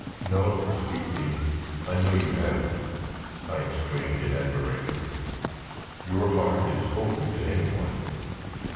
"No, sweet being, I know you haven't," I exclaimed, in admiration; "your heart is open to any one.